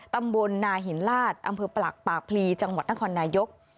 ตำบลนาหินลาดอำเภอปลักปากพลีจังหวัดนครนายก